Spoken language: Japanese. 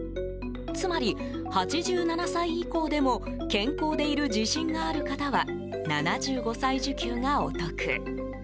つまり８７歳以降でも健康でいる自信がある方は７５歳受給がお得。